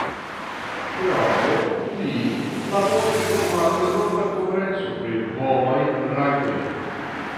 Krome li laboris por la Eŭropa Konferenco pri homaj rajtoj.